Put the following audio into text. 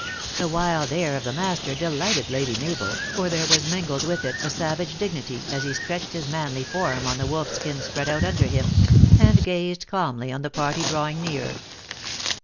The wild air of the master de lighted Lady Mabel, for there was mingled with it a savage dignity as he stretched his manly form on the wolf skin spread out under him; and gazed calmly on the party drawing near.